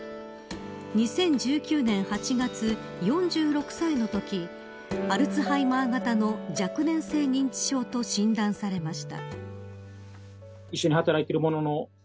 ２０１９年８月４６歳のときアルツハイマー型の若年性認知症と診断されました。